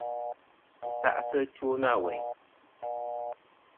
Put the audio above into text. Yi sa'tɨ ɨtwo na weyn.